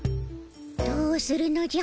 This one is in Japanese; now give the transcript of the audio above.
どうするのじゃ？